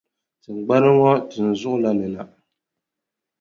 Tiŋgbani ŋɔ tiŋʼ zuɣu la ni na.